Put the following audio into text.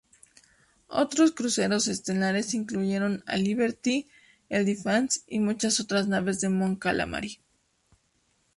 Otros cruceros estelares incluyeron al "Liberty", el "Defiance" y muchas otras naves Mon Calamari.